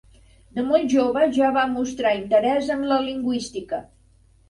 De molt jove ja va mostrar interès en la lingüística.